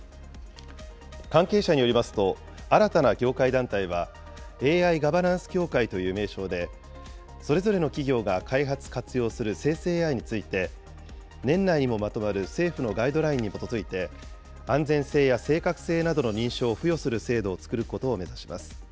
関係者によりますと、新たな業界団体は、ＡＩガバナンス協会という名称で、それぞれの企業が開発・活用する生成ＡＩについて、年内にもまとまる政府のガイドラインに基づいて、安全性や正確性などの認証を付与する制度を作ることを目指します。